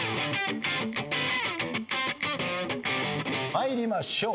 参りましょう。